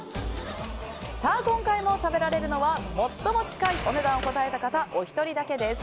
今回も食べられるのは最も近いお値段を答えた方お一人だけです。